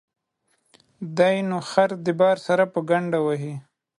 دى نو خر د باره سره په گڼده وهي.